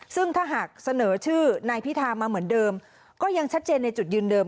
ซึ่งถ้าหากเสนอชื่อนายพิธามาเหมือนเดิมก็ยังชัดเจนในจุดยืนเดิม